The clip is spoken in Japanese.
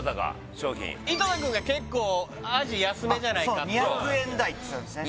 商品井戸田くんが結構アジ安めじゃないかってそう２００円台っつってましたね